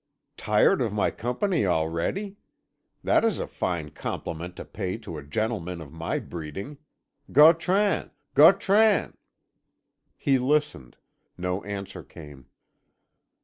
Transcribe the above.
Tired of my company already? That is a fine compliment to pay to a gentleman of my breeding. Gautran! Gautran!" He listened; no answer came.